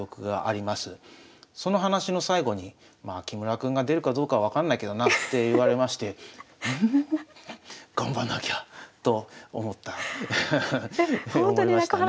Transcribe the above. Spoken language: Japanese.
その話の最後に「まあ木村君が出るかどうかは分かんないけどな」って言われましてうん頑張んなきゃと思った思いましたね。